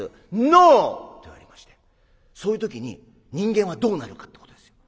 ノー！」って言われましてそういう時に人間はどうなるかってことですよ。